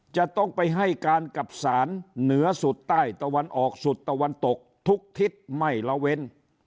จะต้องไปให้การกับศาลเหนือสุดใต้ตะวันออกสุดตะวันตกทุกทิศไม่ละเว้น